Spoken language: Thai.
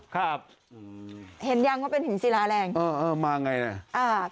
ครับเห็นยังว่าเป็นหินซีราแรงเออมาไงเนี่ย